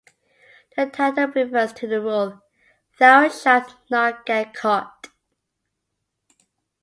The title refers to the rule "Thou Shalt Not Get Caught".